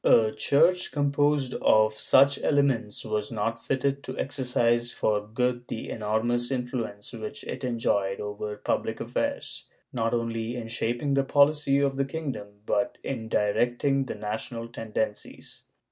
^ A Church composed of such elements was not fitted to exercise for good the enormous influence which it enjoyed over public affairs, not only in shaping the policy of the kingdom but in directing the national tendencies.